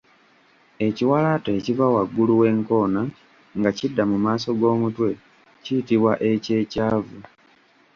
Ekiwalaata ekiva waggulu w’enkoona nga kidda mu maaso g’omutwe kiyitibwa eky’ekyavu.